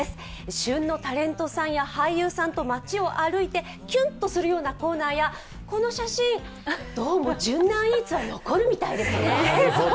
旬のタレントさんや俳優さんと街を歩いてきゅんとするようなコーナーや、この写真、ジュンナー・イーツは残るみたいですね。